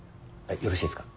よろしいですか？